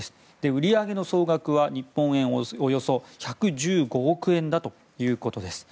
売り上げの総額は日本円でおよそ１１５億円だということです。